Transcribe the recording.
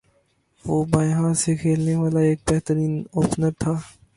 وہ بائیں ہاتھ سےکھیلنے والا ایک بہترین اوپنر تھا